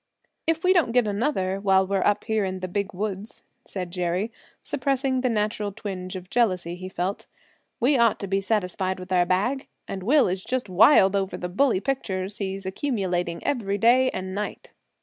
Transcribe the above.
"If we don't get another while we're up here in the Big Woods," said Jerry, suppressing the natural twinge of jealousy he felt, "we ought to be satisfied with our bag. And Will is just wild over the bully pictures he's accumulating every day and night."